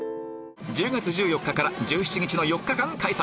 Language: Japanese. １０月１４日から１７日の４日間開催！